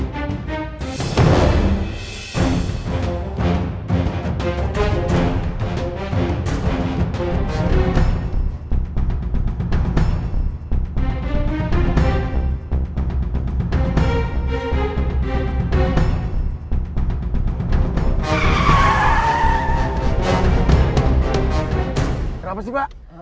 kenapa sih pak